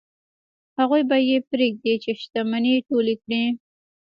هغوی به یې پرېږدي چې شتمنۍ ټولې کړي.